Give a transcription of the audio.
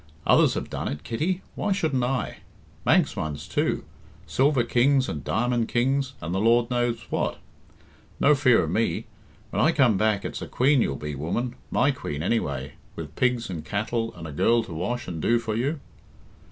"Others have done it, Kitty why shouldn't I? Manx ones too silver kings and diamond kings, and the Lord knows what. No fear of me! When I come back it's a queen you'll be, woman my queen, anyway, with pigs and cattle and a girl to wash and do for you."